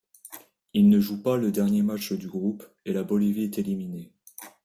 Il ne joue pas le dernier match du groupe et la Bolivie est éliminée.